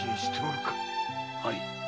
はい。